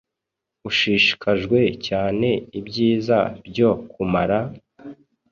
Ushishikajwe cyane Ibyiza byo kumara,